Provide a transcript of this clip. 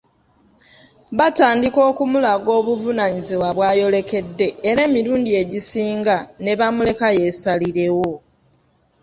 Batandika okumulaga obuvunaanyizibwa bwayolekede era emirundi egisinga ne bamuleka yeesalirewo.